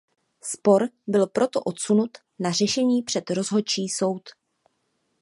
Spor byl proto odsunut na řešení před rozhodčí soud.